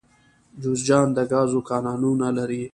جوزجان د ګازو کانونه لري